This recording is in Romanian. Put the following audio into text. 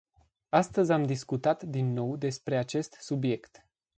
Astăzi am discutat din nou despre acest subiect.